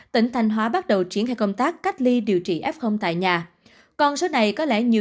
tỉnh thanh hóa bắt đầu triển khai công tác cách ly điều trị f tại nhà con số này có lẽ nhiều